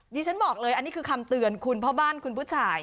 ฉันบอกเลยอันนี้คือคำเตือนคุณพ่อบ้านคุณผู้ชาย